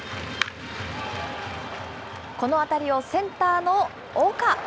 この当たりをセンターの岡。